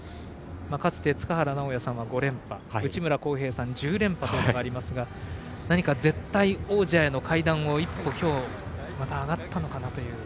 かつて塚原直也さんは５連覇内村航平さんは１０連覇というものがありますが何か絶対王者への階段を一歩、また今日上がったのかなと。